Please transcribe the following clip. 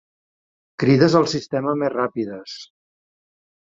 Crides al sistema més ràpides.